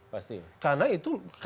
pasti karena itu